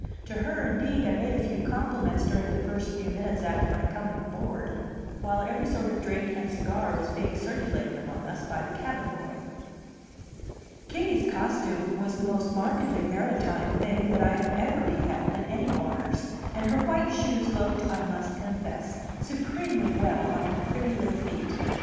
To her, indeed, I made a few compliments during the first few minutes after my coming aboard, while every sort of drink and cigar was being circulated among us by the cabin boy. Kitty's costume was the most markedly maritime thing that I have ever beheld in any waters, and her white shoes looked (I must confess) supremely well on her pretty little feet.